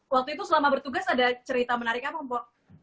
waktu itu selama bertugas ada cerita menarik apa mpok